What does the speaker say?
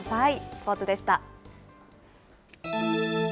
スポーツでした。